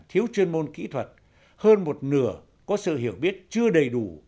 thiếu chuyên môn kỹ thuật hơn một nửa có sự hiểu biết chưa đầy đủ